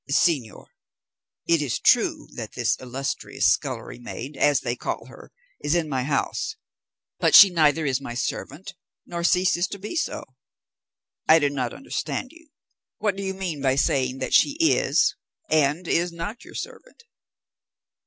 "Señor, it is true that this illustrious scullery maid, as they call her, is in my house, but she neither is my servant, nor ceases to be so." "I do not understand you. What do you mean by saying that she is and is not your servant?"